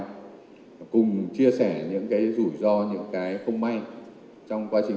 cùng chia sẻ những cái rủi ro những cái không may trong quá trình